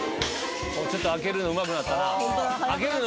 ちょっと開けるの上手くなったな。